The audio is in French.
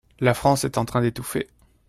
La France est en train d’étouffer.